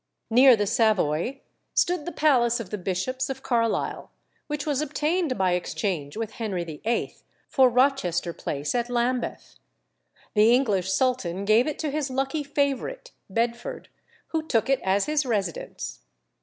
Near the Savoy stood the palace of the bishops of Carlisle, which was obtained by exchange with Henry VIII. for Rochester Place at Lambeth. The English sultan gave it to his lucky favourite, Bedford, who took it as his residence.